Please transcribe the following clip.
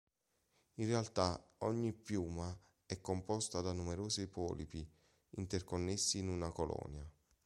In realtà ogni "piuma" è composta da numerosi polipi interconnessi in una colonia.